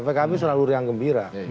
pkb selalu riang gembira